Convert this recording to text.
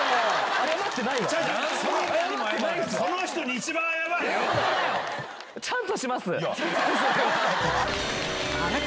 謝ってないっすわ。